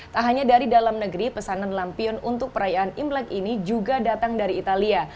tak hanya dari dalam negeri pesanan lampion untuk perayaan imlek ini juga datang dari italia